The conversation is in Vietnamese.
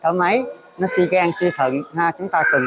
trong ba ngày đầu thì nói chung là mình cũng chủ quan